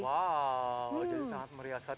wow jadi sangat meriah sekali